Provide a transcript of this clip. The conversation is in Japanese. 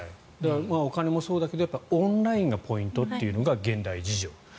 お金もそうだけどオンラインがポイントというのが現代事情。